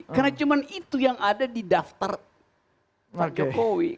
karena cuma itu yang ada di daftar pak jokowi